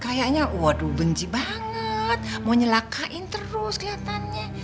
kayaknya waduh benci banget mau nyelakain terus kelihatannya